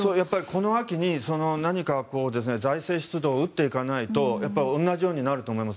この秋に何か財政出動を打っていかないと同じようになると思います。